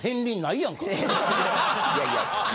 いやいや。